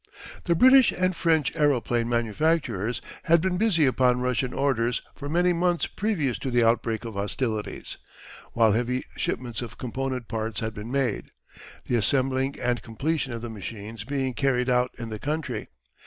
The British and French aeroplane manufacturers had been busy upon Russian orders for many months previous to the outbreak of hostilities, while heavy shipments of component parts had been made, the assembling and completion of the machines being carried out in the country.